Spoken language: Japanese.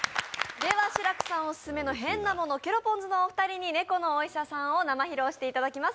では志らくさんオススメの変なもの、ケロポンズのお二人に「ねこのお医者さん」を生披露していただきます。